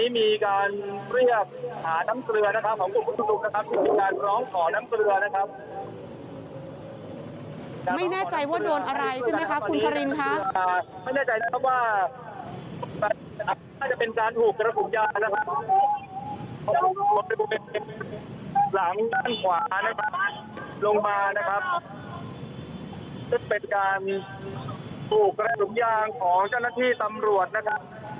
ไม่แน่ใจว่าโดนอะไรใช่ไหมคะคุณคารินคะ